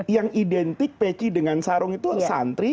yang identik peci dengan sarung itu santri